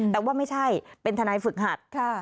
แต่ว่าไม่ใช่เป็นทนายฝึกหัด